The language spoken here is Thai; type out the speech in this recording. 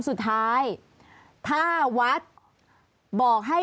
ลุงเอี่ยมอยากให้อธิบดีช่วยอะไรไหม